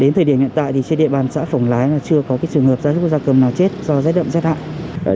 đến thời điểm hiện tại trên địa bàn xã phổng lái chưa có trường hợp gia súc gia cầm nào chết do xét đậm thiệt hại